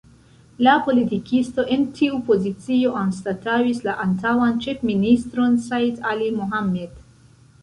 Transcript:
La politikisto en tiu pozicio anstataŭis la antaŭan ĉefministron Said Ali Mohamed.